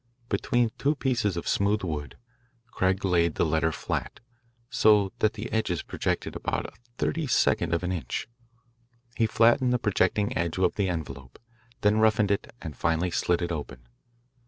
Between two pieces of smooth wood, Craig laid the letter flat, so that the edges projected about a thirty second of an inch. He flattened the projecting edge of the envelope, then roughened it, and finally slit it open.